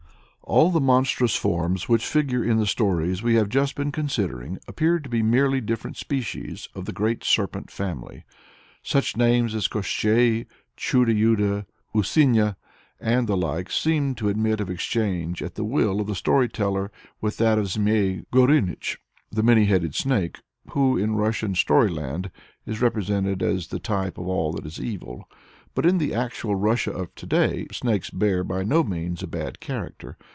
All the monstrous forms which figure in the stories we have just been considering appear to be merely different species of the great serpent family. Such names as Koshchei, Chudo Yudo, Usuinya, and the like, seem to admit of exchange at the will of the story teller with that of Zméï Goruinuich, the many headed Snake, who in Russian storyland is represented as the type of all that is evil. But in the actual Russia of to day, snakes bear by no means so bad a character.